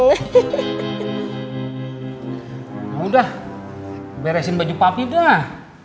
udah beresin baju papi dah